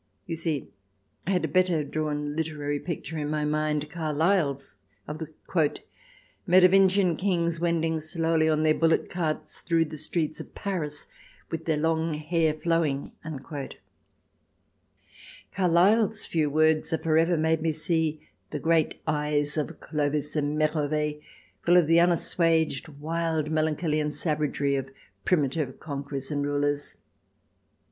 You see I had a better drawn literary picture in my mind — Carlyle's — of the " Merovingian Kings wending slowly on their bullock carts through the streets of Paris with their long hair flowing. ..." Carlyle's few words have for ever made me see the great eyes of Clovis and Merovee full of the unassuaged wild melancholy and savagery of primitive conquerors and rulers.